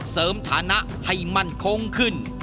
เสริมฐานะให้มั่นคงขึ้น